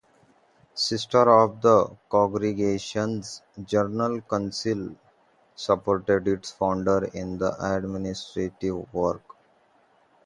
Sisters of the congregation’s general council supported its founder in the administrative work.